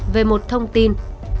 về một thông tin